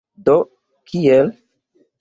Do kiel?